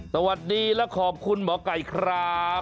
สวัสดีและขอบคุณหมอไก่ครับ